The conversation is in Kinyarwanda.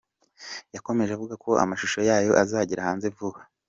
Yakomeje avuga ko amashusho yayo azagera hanze vuba.